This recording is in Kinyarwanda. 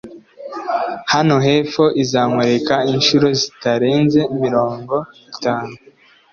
hano hepfo izamurika inshuro zitarenze mirongo itanu